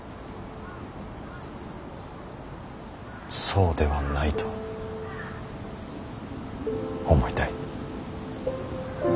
そうではないと思いたい。